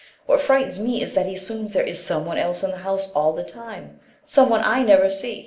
What frightens me is that he assumes there is some one else in the house all the time some one I never see.